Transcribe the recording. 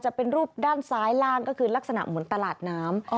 จะเป็นรูปด้านซ้ายล่างก็คือลักษณะเหมือนตลาดน้ำ